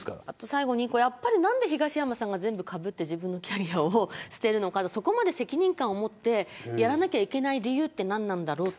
最後に何でやっぱり東山さんが全部かぶってキャリアを全部捨てるのかとそこまで責任感を持ってやらなきゃいけない理由って何なんだろうと。